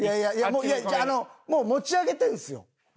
違うあのもう持ち上げてるんですよ